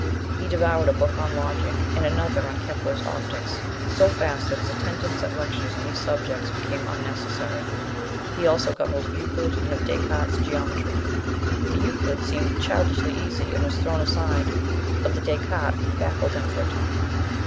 He devoured a book on logic, and another on Kepler's Optics, so fast that his attendance at lectures on these subjects became unnecessary. He also got hold of a Euclid and of Descartes's Geometry. The Euclid seemed childishly easy, and was thrown aside, but the Descartes baffled him for a time.